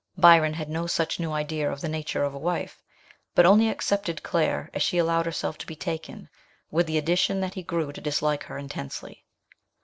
Byron had no such new idea of the nature of a wife, but only accepted Claire as she allowed herself to be taken, with the addition that he grew to dislike her intensely.